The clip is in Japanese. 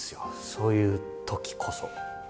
そういうときこそ。